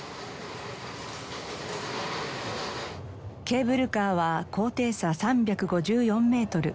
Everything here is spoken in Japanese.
ケーブルカーは高低差３５４メートル。